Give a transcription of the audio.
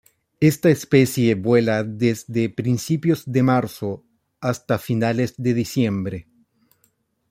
Esta especie vuela desde principios de marzo hasta finales de diciembre.